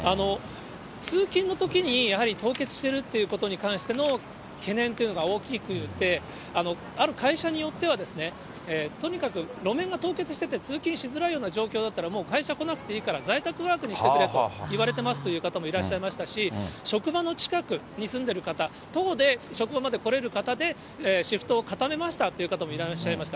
通勤のときにやはり凍結しているということに関しての懸念というのが大きくて、ある会社によっては、とにかく路面が凍結してて通勤しづらい状況だったら、もう会社来なくていいから、在宅ワークにしてくれと言われてますという方もいらっしゃいましたし、職場の近くに住んでいる方、徒歩で職場まで来れる方でシフトを固めましたという方もいらっしゃいました。